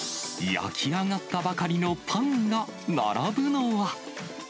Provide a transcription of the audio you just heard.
焼き上がったばかりのパンが並ぶのは。